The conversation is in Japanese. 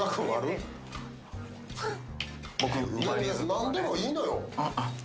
何でもいいのよ。